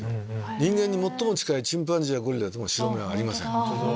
人間に最も近いチンパンジーやゴリラでも白目はありません。